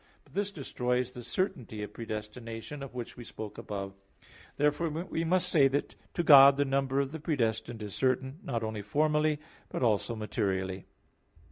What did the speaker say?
But this destroys the certainty of predestination; of which we spoke above (A. 6). Therefore we must say that to God the number of the predestined is certain, not only formally, but also materially.